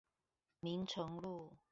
明誠路